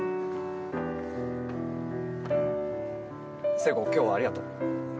セイコ今日はありがとう。